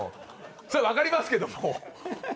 それは分かりますけども。